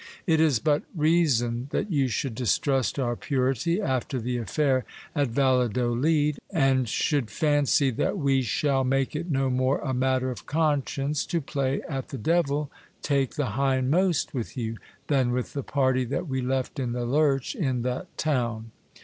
It is but rea son that you should distrust our purity, after the affair at Valladolid, and should fancy that we shall make it no more a matter of conscience to play at the devil take the hindmost with you, than with the party that we left in the luich in that town.